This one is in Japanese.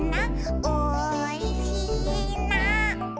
「おいしいな」